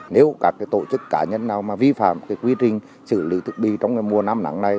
nếu các tổ chức cá nhân nào vi phạm quy trình xử lý thực bị trong mùa năm nắng này